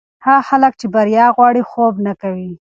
هغه خلک چې بریا غواړي، خوب نه کوي.